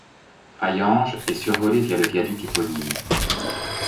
Hayange est survolée via le viaduc éponyme.